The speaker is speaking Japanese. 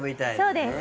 そうです。